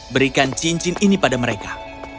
berikan cincin ini pada mereka